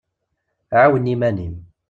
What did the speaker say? ɛawen iman-im.